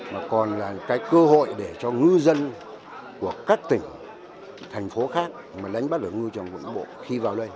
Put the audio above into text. mà còn là cái cơ hội để cho ngư dân của các tỉnh thành phố khác mà lãnh bắt được ngư trong quận bộ khi vào đây